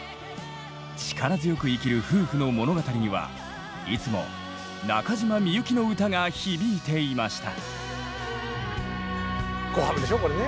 力強く生きる夫婦の物語にはいつも中島みゆきの歌が響いていました。